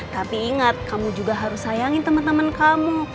tapi ingat kamu juga harus sayangin temen temen kamu